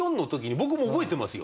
僕も覚えてますよ。